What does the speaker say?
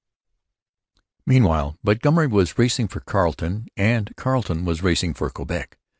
Meanwhile Montgomery was racing for Carleton and Carleton was racing for Quebec.